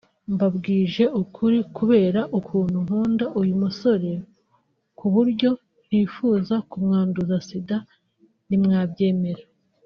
Mbabwije ukuri kubera ukuntu nkunda uyu musore ku buryo ntifuza kumwanduza Sida ntimwabyemera